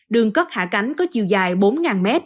đường cất hạ cánh có chiều dài bốn m